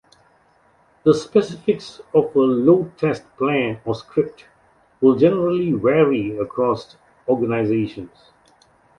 The specifics of a load test plan or script will generally vary across organizations.